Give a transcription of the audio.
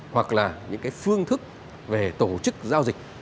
hoặc là những cái phương thức về tổ chức giao dịch